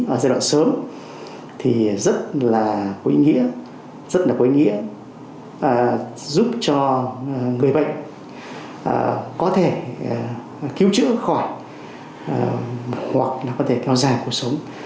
ở giai đoạn sớm thì rất là có ý nghĩa rất là có ý nghĩa giúp cho người bệnh có thể cứu chữa khỏi hoặc là có thể theo dài cuộc sống